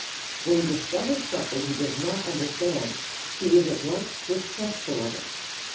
When he discovers something he does not understand, he is at once distrustful of it.